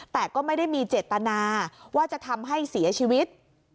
แต่ก็ไม่ได้มีเจตนาว่าจะทำให้เสียชีวิต